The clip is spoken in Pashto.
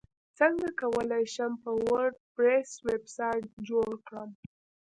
څنګه کولی شم په وردپریس ویبسایټ جوړ کړم